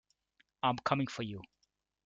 I'm coming for you!